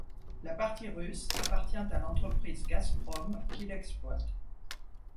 La partie russe appartient à l'entreprise Gazprom qui l'exploite.